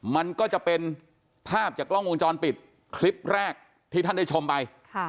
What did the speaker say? มันก็จะเป็นภาพจากกล้องวงจรปิดคลิปแรกที่ท่านได้ชมไป